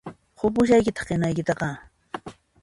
Qupushaykitáq qinaykitaqá